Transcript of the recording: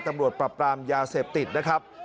ตำรวจปรับปรามยาเสพติดนะครับ